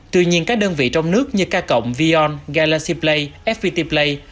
tuy nhiên các đơn vị trong nước như k cộng vion galaxy play fpt play